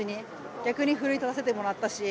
逆に奮い立たせてもらったし。